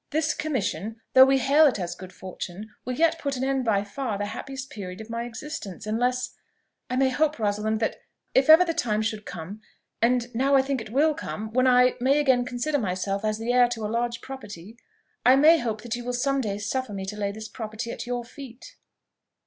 "This commission, though we hail it as good fortune, will yet put an end to by far the happiest period of my existence, unless I may hope, Rosalind, that if ever the time should come and I now think it will come when I may again consider myself as the heir to a large property, I may hope that you will some day suffer me to lay this property at your feet."